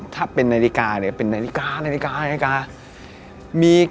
คือผมอะ